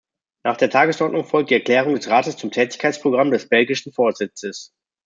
Nach der Tagesordnung folgt die Erklärung des Rates zum Tätigkeitsprogramm des belgischen Vorsitzes.